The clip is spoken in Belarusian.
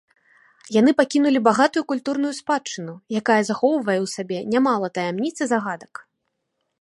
Яны пакінулі багатую культурную спадчыну, якая захоўвае ў сабе нямала таямніц і загадак.